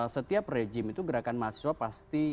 setiap rejim itu gerakan mahasiswa pasti